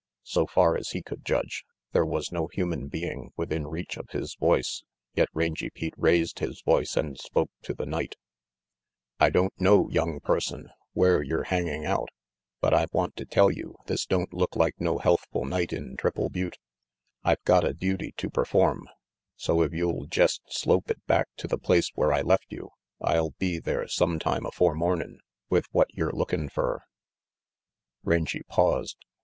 So far as he could judge, there was no human being within reach of his voice, yet Rangy Pete raised his voice and spoke to the night 200 RANGY PETE "I don't know, young person, where yer hangin out, but I want to tell you this don't look like no healthful night in Triple Butte. I've got a duty to perform, so if you'll jest slope it back to the place where I left you, I'll be there sumtime afore mornin' with what yer looking fer." Rangy paused.